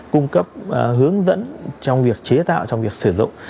cung cấp hướng dẫn trong việc chế tạo trong việc sử dụng